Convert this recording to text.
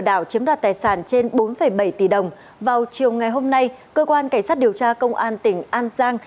đảo chiếm đoạt tài sản trên bốn bảy tỷ đồng vào chiều ngày hôm nay cơ quan cảnh sát điều tra công an tỉnh an giang